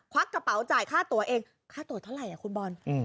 วักกระเป๋าจ่ายค่าตัวเองค่าตัวเท่าไหร่คุณบอล